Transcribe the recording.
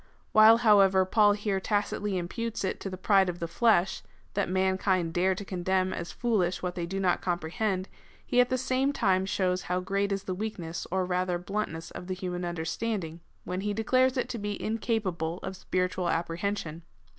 * Wliile, however, Paul here tacitly imputes it to the pride of the flesh, that mankind dare to condemn as foolish what they do not comprehend, he at the same time shows how great is the weakness or rather bluntness of the human understanding, when he declares it to be incapable of sjiiritual apprehension.